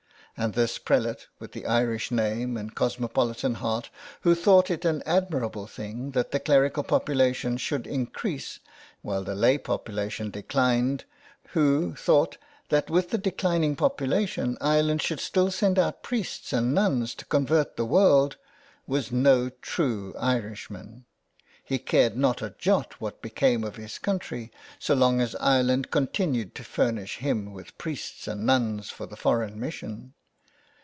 And this prelate with the Irish name and cosmopolitan heart, who thought it an admirable thing that the clerical population should increase, while the lay population declined ; who, thought that with the declining population Ireland should still send out priests and nuns to convert the world — was no true Irishman. He cared not a jot what became of his country, so long as Ireland continued to furnish him with priests and nuns for the foreign mission.